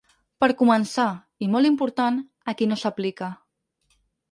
Per començar –i molt important– a qui no s’aplica.